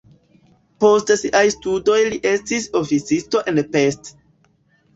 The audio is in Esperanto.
Post siaj studoj li estis oficisto en Pest.